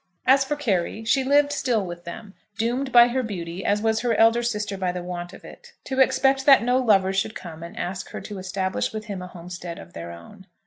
As for Carry, she lived still with them, doomed by her beauty, as was her elder sister by the want of it, to expect that no lover should come and ask her to establish with him a homestead of their own.